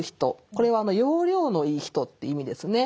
これは要領のいい人という意味ですね。